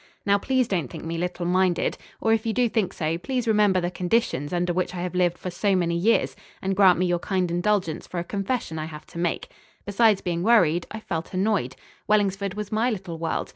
Now, please don't think me little minded. Or, if you do think so, please remember the conditions under which I have lived for so many years and grant me your kind indulgence for a confession I have to make. Besides being worried, I felt annoyed. Wellingsford was my little world.